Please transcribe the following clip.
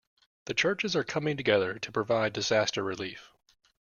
The churches are coming together to provide disaster relief.